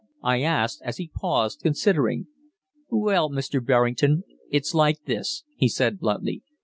I asked, as he paused, considering. "Well, Mr. Berrington, it's like this," he said bluntly.